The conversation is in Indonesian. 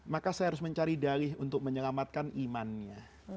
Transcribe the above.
maka saya harus mencari dalih untuk menyelamatkan imannya